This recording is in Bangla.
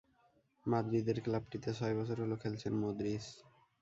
মাদ্রিদের ক্লাবটিতে ছয় বছর হলো খেলছেন মদরিচ।